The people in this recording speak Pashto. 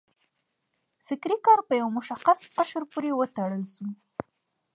فکري کار په یو مشخص قشر پورې وتړل شو.